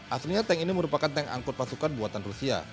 aslinya tank ini merupakan tank angkut pasukan buatan rusia